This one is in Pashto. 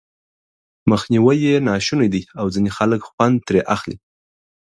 مخنيوی یې ناشونی دی او ځينې خلک خوند ترې اخلي.